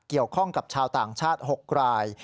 เกี่ยวข้องกับชาวต่างชาติ๖ราย